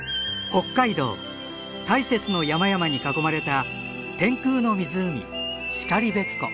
北海道大雪の山々に囲まれた天空の湖然別湖。